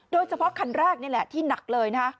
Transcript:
โดยเฉพาะคันแรกนี่แหละที่หนักเลยนะคะ